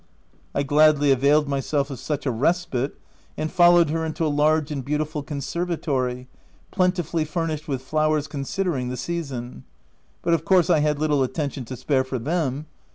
I gladly availed myself of such a respite, and followed her into a large and beautiful conser vatory, plentifully furnished with flowers con sidering the season — but of course, I had little attention to spare for them.